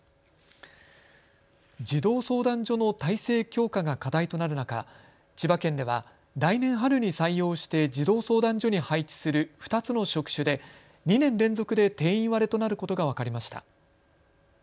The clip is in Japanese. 児童相談所の体制強化が課題となる中、千葉県では来年春に採用して児童相談所に配置する２つの職種で２年連続で定員割れとなることが分かりました。